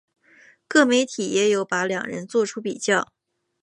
各媒体也有把两人作出比较。